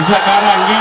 sekarang kita laksanakan